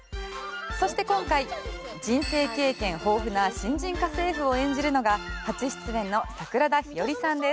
そして今回人生経験豊富な新人家政婦を演じるのが初出演の桜田ひよりさんです。